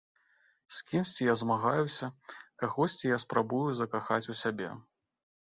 З кімсьці я змагаюся, кагосьці я спрабую закахаць у сябе.